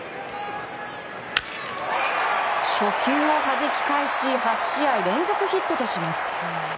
初球をはじき返し８試合連続ヒットとします。